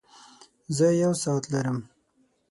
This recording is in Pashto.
زۀ يو ساعت لرم.